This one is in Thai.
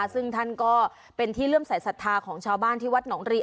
ซึ่งท่านก็เป็นที่เริ่มใส่ศรษฐาของชาวบ้านที่วัดหนน้องรี